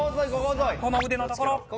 さあこの腕のところ。